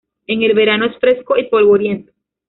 En el verano, es fresco y polvoriento.